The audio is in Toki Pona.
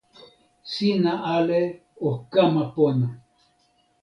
sina ale o kama pona.